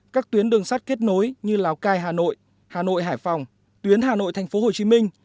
các tuyến đường sắt kết nối như lào cai hà nội hà nội hải phòng tuyến hà nội thành phố hồ chí minh